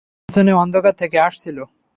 পেছনে অন্ধকার থেকে আসছিল!